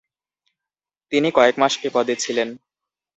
তিনি কয়েকমাস এ পদে ছিলেন।